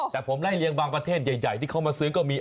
แต่ผมไล่เลี้ยบางประเทศใหญ่ที่เขามาซื้อก็มี